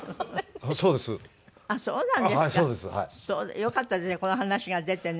よかったですね